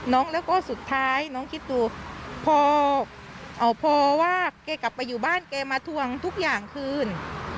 แล้วก็สุดท้ายน้องคิดดูพอว่าแกกลับไปอยู่บ้านแกมาทวงทุกอย่างคืน